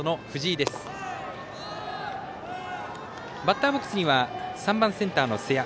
バッターボックスには３番センターの瀬谷。